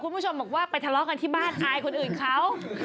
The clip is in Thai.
คุณผู้ชมบอกว่าไปทะเลาะกันที่บ้านอายคนอื่นเขา